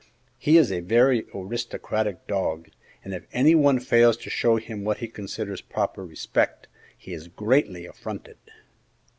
"He is a very aristocratic dog, and if any one fails to show him what he considers proper respect, he is greatly affronted."